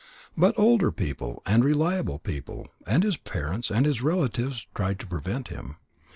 But older people and reliable people and his parents and his relatives tried to prevent him.